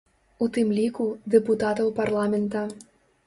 У тым ліку, дэпутатаў парламента.